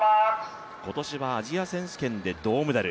今年は、アジア選手権で銅メダル。